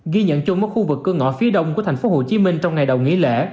ghi nhận chung mất khu vực cơn ngõ phía đông của tp hcm trong ngày đầu nghỉ lễ